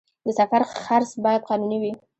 د سفر خرڅ باید قانوني وي